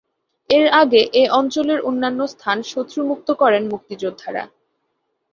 এর আগে এ অঞ্চলের অন্যান্য স্থান শত্রু মুক্ত করেন মুক্তিযোদ্ধারা।